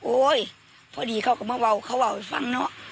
โอ้ยพอดีเค้าก็มาว่าวเค้าว่าไปฟังเนอะ